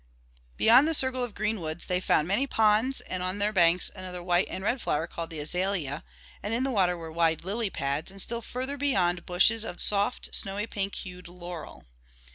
Beyond the circle of green woods they found many ponds and on their banks another white and red flower called the azalea, and in the water were wide lily pads and still farther beyond bushes of the soft snowy pink hued laurel.